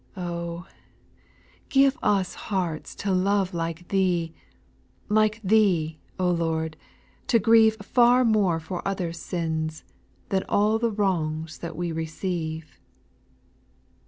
4. Oh I give us hearts to love like Thee, — Like Thee, O Lord, to grieve Far more for other's sins, than all The wrongs that we receive.